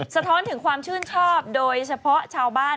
สะท้อนถึงความชื่นชอบโดยเฉพาะชาวบ้าน